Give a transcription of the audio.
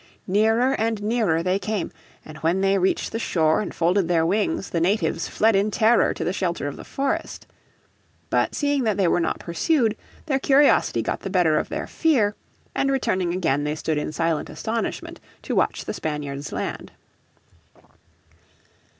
Nearer and nearer they came, and when they reached the shore and folded their wings the natives fled in terror to the shelter of the forest. But seeing that they were not pursued, their curiosity got the better of their fear, and returning again they stood in silent astonishment to watch the Spaniards land.